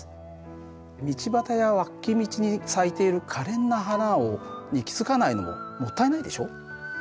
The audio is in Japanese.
道端や脇道に咲いているかれんな花に気付かないのももったいないでしょ？